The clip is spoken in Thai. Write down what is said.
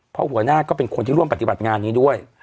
เพราะหัวหน้าก็เป็นคนที่ร่วมปฏิบัติงานนี้ด้วย